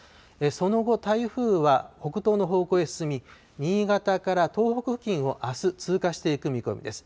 その後、台風は北東の方向へ進み、新潟から東北付近をあす、通過していく見込みです。